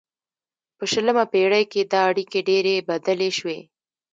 په شلمه پیړۍ کې دا اړیکې ډیرې بدلې شوې